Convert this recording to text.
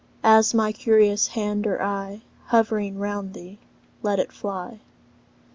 As my curious hand or eye Hovering round thee, let it fly.